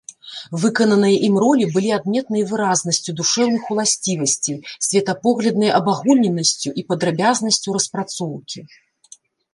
Выкананыя ім ролі былі адметныя выразнасцю душэўных уласцівасцей, светапогляднай абагульненасцю і падрабязнасцю распрацоўкі.